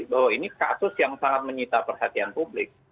bahwa ini kasus yang sangat menyita perhatian publik